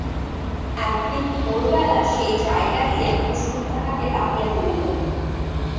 একদিন ভোরবেলা সেই জানালা দিয়ে কুসুম তাহাকে ডাকিয়া তুলিল।